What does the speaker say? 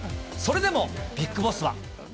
それでも、ビッグボスは。